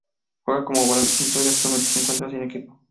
Juega como volante central y actualmente se encuentra sin equipo.